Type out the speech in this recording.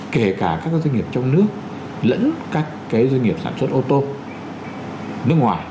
kể cả các cái doanh nghiệp trong nước lẫn các cái doanh nghiệp sản xuất ô tô nước ngoài